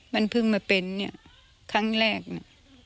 มันเพิ่งมาเป็นเนี่ยครั้งแรกนะ